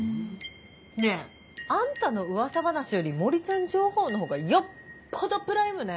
ねぇあんたの噂話より森ちゃん情報のほうがよっぽどプライムね！